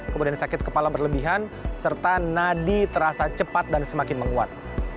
kemudian sakit kepala berlebihan serta nadi terasa cepat dan semakin menguat